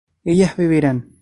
ellas beberán